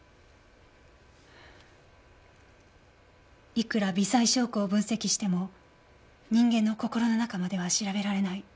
いくら微細証拠を分析しても人間の心の中までは調べられない。